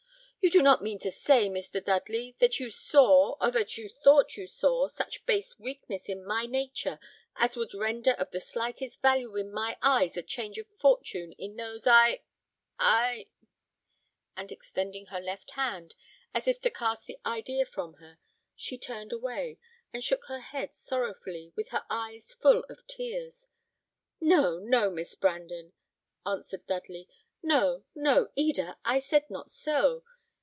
"You do not mean to say, Mr. Dudley, that you saw, or that you thought you saw, such base weakness in my nature as would render of the slightest value in my eyes a change of fortune in those I I " And extending her left hand, as if to cast the idea from her, she turned away, and shook her head sorrowfully, with her eyes full of tears. "No, no, Miss Brandon!" answered Dudley; "no, no, Eda! I said not so.